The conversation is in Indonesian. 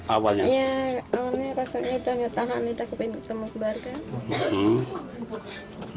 awalnya rasanya udah gak tahan udah kebanyakan mau kebarga